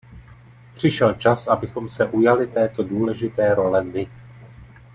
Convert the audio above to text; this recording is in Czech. Přišel čas, abychom se ujali této důležité role my.